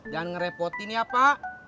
jangan ngerepotin ya pak